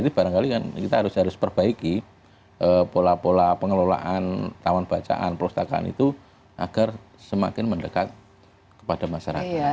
nah itu barangkali kita harus harus perbaiki pola pola pengelolaan taman bacaan perusahaan itu agar semakin mendekat kepada masyarakat